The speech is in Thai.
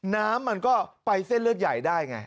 น้ำมันก็ไปเส้นเลือดใหญ่ได้ไง